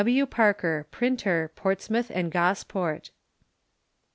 W. PARKER, Printer, Portsmouth and Gosport.